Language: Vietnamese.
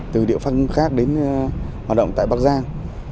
từ địa phương khác đến hoạt động tại bắc giang